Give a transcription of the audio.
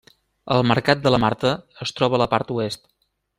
El mercat de la Marta es troba a la part oest.